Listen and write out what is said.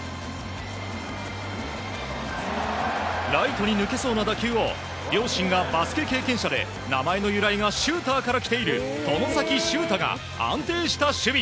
ライトに抜けそうな打球を、両親がバスケ経験者で、名前の由来がシューターから来ている外崎修汰が、安定した守備。